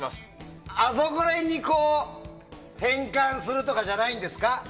あそこら辺に、こう変換するとかじゃないんですか？